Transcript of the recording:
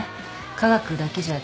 科学だけじゃ駄目。